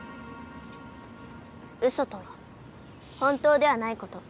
ウソとは「本当ではないこと。